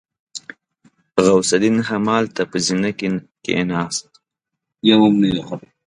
غوث الدين همالته په زينه کې کېناست.